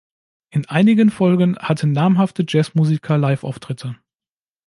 In einigen Folgen hatten namhafte Jazzmusiker Liveauftritte.